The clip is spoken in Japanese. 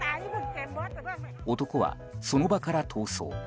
男はその場から逃走。